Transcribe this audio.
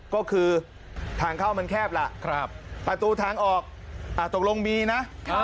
ก็คือทางเข้ามันแคบล่ะประตูทางออกตกลงมีนะ